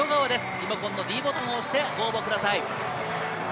リモコンのｄボタンを押してご応募ください。